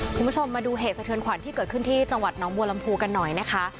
คุณผู้ชมมาดูเหตุสะเทือนขวัญที่เกิดขึ้นที่จังหวัดน้องบัวลำพูกันหน่อยนะคะ